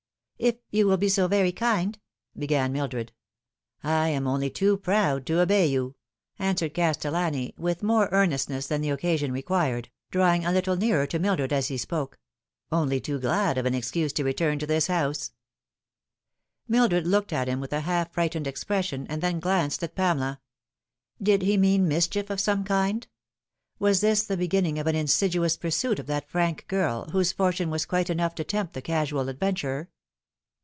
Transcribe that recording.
" If you will be so very kind" began Mildred. " I am only too proud to obey you," answered Castellani, with more earnestness than the occasion required, drawing a little nearer to Mildred as he spoke ;" only too glad of an excuse to return to this house." Mildred looked at him with a half frightened expression, and then glanced at Pamela. Did he mean mischief of some kind ? Was this the beginning of an insidious pursuit of that frank girl, whose fortune was quite enough to tempt the casual adventurer